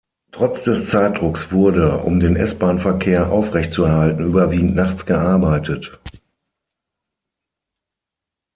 Trotz des Zeitdrucks wurde, um den S-Bahn-Verkehr aufrechtzuerhalten, überwiegend nachts gearbeitet.